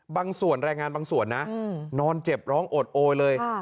บางส่วนแรงงานบางส่วนนะนอนเจ็บร้องโอดโอยเลย